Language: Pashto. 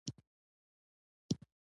وزې له مېوې هم خوند اخلي